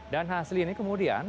dan hasil ini kemudian